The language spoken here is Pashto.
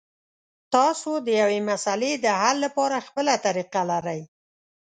تاسو د یوې مسلې د حل لپاره خپله طریقه لرئ.